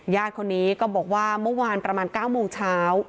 คนนี้ก็บอกว่าเมื่อวานประมาณ๙โมงเช้า